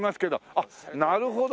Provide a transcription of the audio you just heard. あっなるほど！